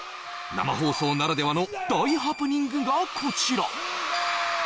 生放送ならではの大ハプニングがこちら！